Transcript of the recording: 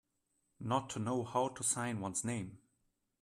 Not to know how to sign one's name.